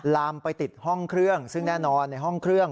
ลามไปติดห้องเครื่องซึ่งแน่นอนในห้องเครื่อง